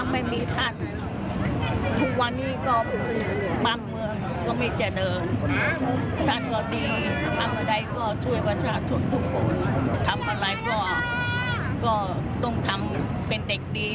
เป็นเด็กดีเป็นคนดีปฏิบัติกับพ่อแม่ดี